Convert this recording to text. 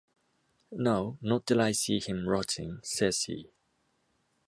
No, not till I see him rotting, says he.